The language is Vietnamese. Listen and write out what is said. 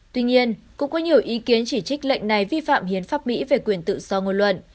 tuy nhiên cũng có nhiều ý kiến chỉ trích lệnh này vi phạm hiến pháp mỹ về quyền tự do ngôn luận